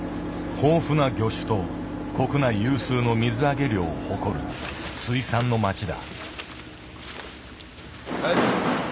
豊富な魚種と国内有数の水揚げ量を誇る水産の町だ。